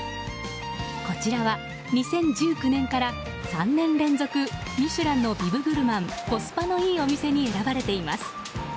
こちらは２０１９年から３年連続ミシュランのビブグルマンコスパのいいお店に選ばれています。